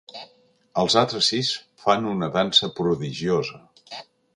Els altres sis fan una dansa prodigiosa.